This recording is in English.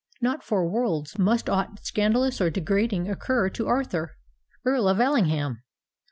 Not for worlds must aught scandalous or degrading occur to Arthur, Earl of Ellingham!